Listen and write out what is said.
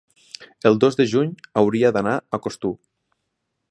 El dos de juny hauria d'anar a Costur.